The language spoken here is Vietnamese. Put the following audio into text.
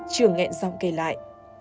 trường nghẹn giọng kề lại